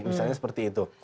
misalnya seperti itu